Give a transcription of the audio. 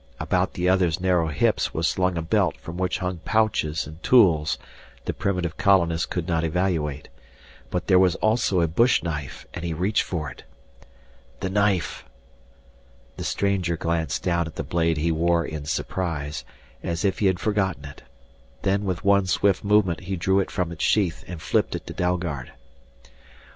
About the other's narrow hips was slung a belt from which hung pouches and tools the primitive colonist could not evaluate. But there was also a bush knife, and he reached for it. "The knife " The stranger glanced down at the blade he wore in surprise, as if he had forgotten it. Then with one swift movement he drew it from its sheath and flipped it to Dalgard.